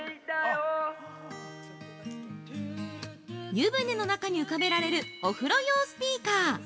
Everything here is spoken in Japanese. ◆湯船の中に浮かべられるお風呂用スピーカー。